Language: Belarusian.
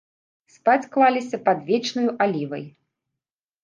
Спаць клаліся пад вечнаю алівай.